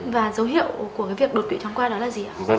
và dấu hiệu của việc đột quỵ thoáng qua đó là gì ạ